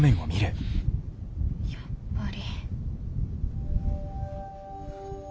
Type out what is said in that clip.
やっぱり。